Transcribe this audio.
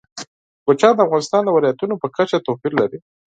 کوچیان د افغانستان د ولایاتو په کچه توپیر لري.